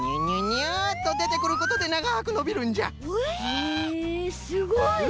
へえすごい！